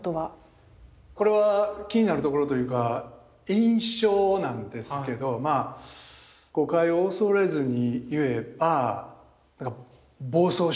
これは気になるところというか印象なんですけどまあ誤解を恐れずに言えば暴走してるなぁっていう。